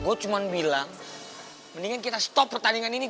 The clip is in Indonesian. gue cuma bilang mendingan kita stop pertandingan ini